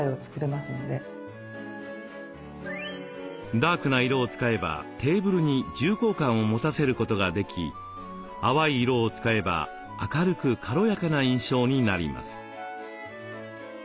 ダークな色を使えばテーブルに重厚感を持たせることができ淡い色を使えば明るく軽やかな印象になります。